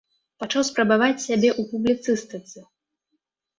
Пачаў спрабаваць сябе ў публіцыстыцы.